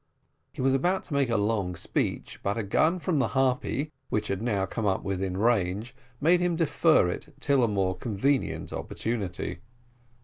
He was about to make a long speech, but a gun from the Harpy, which had now come up within range, made him defer it till a more convenient opportunity.